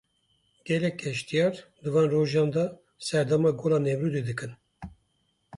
Gelek geştyar di van rojan de serdama Gola Nemrûdê dikin.